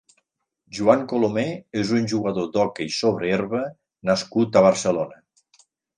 Juan Colomer és un jugador d'hoquei sobre herba nascut a Barcelona.